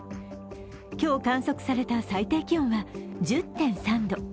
今日、観測された最低気温は１０．３度。